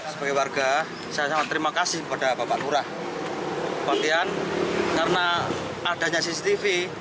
sebagai warga saya sangat terima kasih kepada bapak lurah bupatian karena adanya cctv